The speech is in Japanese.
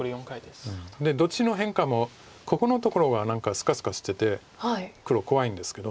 どっちの変化もここのところが何かスカスカしてて黒怖いんですけど。